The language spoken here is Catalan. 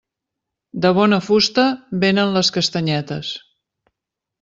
De bona fusta vénen les castanyetes.